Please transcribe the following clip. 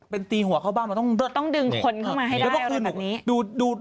เป็นตีหัวเข้าบ้างเราต้องดึงขนเข้ามาให้ได้แบบนี้